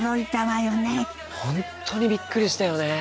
本当にびっくりしたよね。